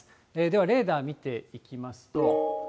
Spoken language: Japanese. ではレーダー見ていきますと。